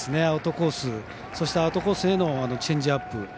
アウトコースそしてアウトコースへのチェンジアップ。